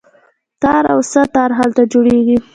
تار او سه تار هلته جوړیږي.